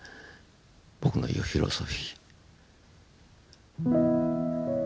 僕の言うフィロソフィー。